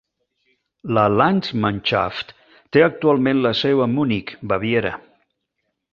La Landsmannschaft té actualment la seu a Munich, Baviera.